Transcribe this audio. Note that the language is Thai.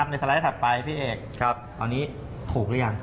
ในสไลด์ถัดไปพี่เอกตอนนี้ถูกหรือยัง